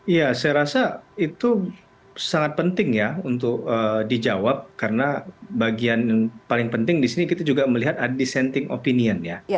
ya saya rasa itu sangat penting ya untuk dijawab karena bagian paling penting di sini kita juga melihat dissenting opinion ya